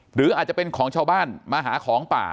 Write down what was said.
หรืออาจจะเป็นของชาวบ้านมาหาของป่า